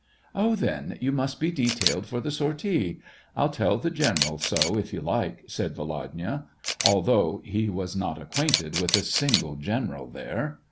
" Oh, then you must be detailed for the sortie ! I'll tell the general so, if you like }" said Volodya, although he was not acquainted with a single gen eral there.